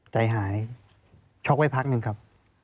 ใจหายช็อกไว้พักหนึ่งครับ